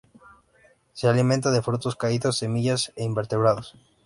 Se alimenta de frutos caídos, semillas e invertebrados.